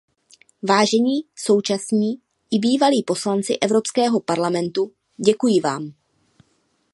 Vážení současní i bývalí poslanci Evropského parlamentu, děkuji vám.